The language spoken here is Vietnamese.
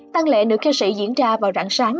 tăng lệ nữ ca sĩ diễn ra vào rạng sáng